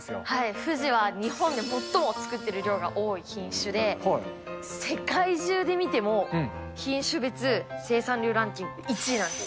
ふじは日本で最も作ってる量が多い品種で、世界中で見ても、品種別生産量ランキング１位なんです。